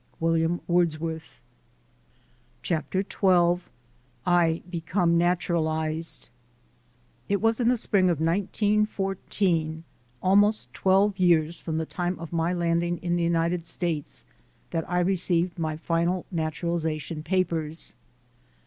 William Wordsworth, CHAPTER XII I BECOME NATURALIZED IT was in the spring of 1914, almost twelve years from the time of my landing in the United States, that I received my final naturalization papers.